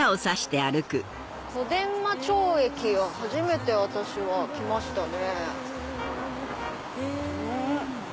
小伝馬町駅は初めて私は来ましたね。